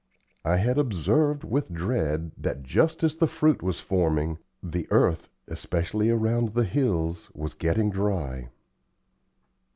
I had observed, with dread, that just as the fruit was forming, the earth, especially around the hills, was getting dry.